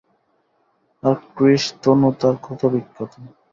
আর কৃশ তনু তাঁর ক্ষতবিক্ষত।